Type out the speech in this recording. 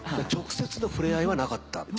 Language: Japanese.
直接の触れ合いはなかった？